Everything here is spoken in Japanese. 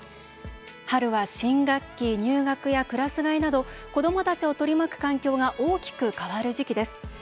春は新学期入学やクラス替えなど子どもたちを取り巻く環境が大きく変わる時期です。